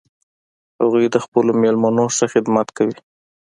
هغوی د خپلو میلمنو ښه خدمت کوي